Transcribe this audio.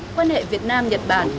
quan hệ việt nam nhật bản